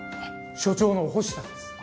署長の星田です。